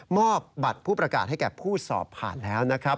มอบบัตรผู้ประกาศให้แก่ผู้สอบผ่านแล้วนะครับ